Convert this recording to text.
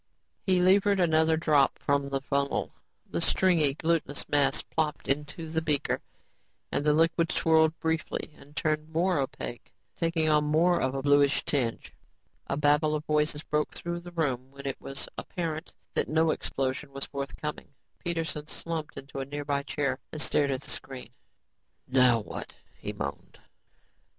He levered another drop from the funnel. The stringy, glutenous mass plopped into the beaker and the liquid swirled briefly and turned more opaque, taking on more of a bluish tinge. A babble of voices broke through the room when it was apparent that no explosion was forthcoming. Peterson slumped into a nearby chair and stared at the screen. "Now what?" he moaned.